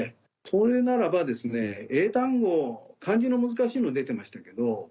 それならば英単語漢字の難しいのは出てましたけど。